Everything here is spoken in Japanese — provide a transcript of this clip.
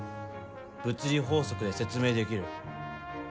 物理法則で説明できる。